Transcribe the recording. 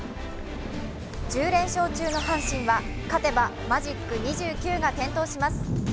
１０連勝中の阪神は勝てばマジック２９が点灯します。